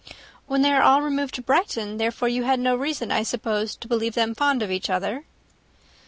"When they all removed to Brighton, therefore, you had no reason, I suppose, to believe them fond of each other?"